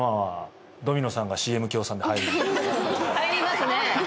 入りますね。